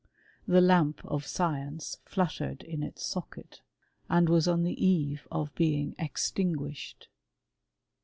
The lamp of science fluttered in its socket, and was on the eve of ^ing extinguished.